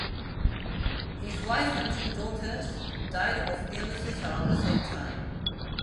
His wife and two daughters died of illnesses around the same time.